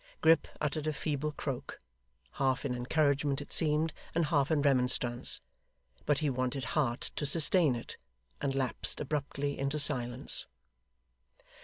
Grip uttered a feeble croak, half in encouragement, it seemed, and half in remonstrance, but he wanted heart to sustain it, and lapsed abruptly into silence.